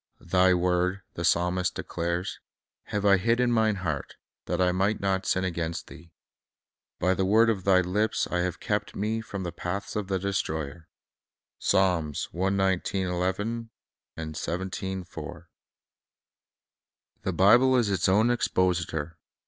"Th\ word," the psalmist declares, "have I hid in mine heart, that I might not sin against Thee." "By the word of Thy lips I have kept me from the paths of the destroyer." 1 The Bible is its own expositor.